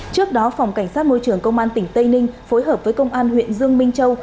trước đó phòng cảnh sát môi trường công an tỉnh tây ninh phối hợp với công an huyện dương minh châu